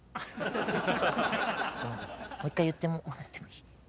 ごめんもう一回言ってもらってもいい？